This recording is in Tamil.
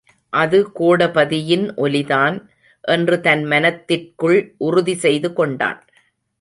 அது கோடபதியின் ஒலிதான்! என்று தன் மனத்திற்குள் உறுதி செய்து கொண்டான்.